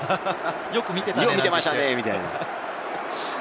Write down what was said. よく見ていましたねみたいな。